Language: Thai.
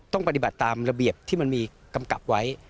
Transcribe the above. ต้องปฏิบัติตามระเบียบที่มันมีกำกับไว้